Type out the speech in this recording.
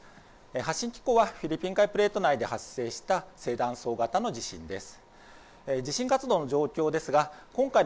発震機構はフィリピン海プレート内で発生した正断層型の地震です。